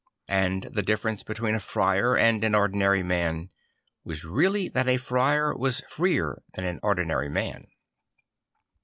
And the difference between a friar and an ordinary man was really that a friar was freer than an ordinary man.